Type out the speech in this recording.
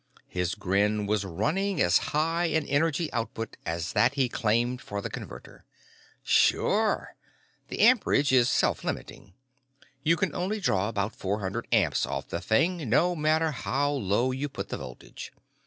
His grin was running as high an energy output as that he claimed for the Converter. "Sure. The amperage is self limiting. You can only draw about four hundred amps off the thing, no matter how low you put the voltage.